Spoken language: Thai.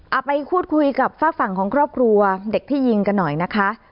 เอาไปพูดคุยกับฝากฝั่งของครอบครัวเด็กที่ยิงกันหน่อยนะคะ